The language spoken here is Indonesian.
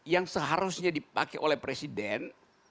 yang seharusnya dipakai oleh presiden